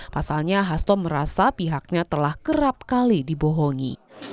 pasalnya hasto merasa pihaknya telah kerap kali dibohongi